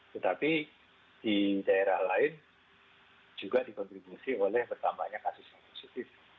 tetapi di daerah lain juga dikontribusi oleh bertambahnya kasus yang positif